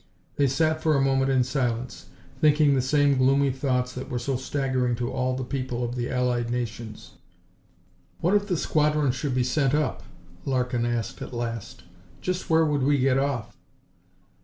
They sat for a moment in silence, thinking the same gloomy thoughts that were so staggering to all the people of the allied nations. "What if the squadron should be sent up?" Larkin asked at last. "Just where would we get off?"